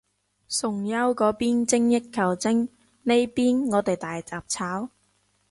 崇優嗰邊精益求精，呢邊我哋大雜炒